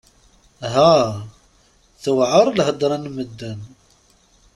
Ha! Tewɛeṛ lhedṛa n medden!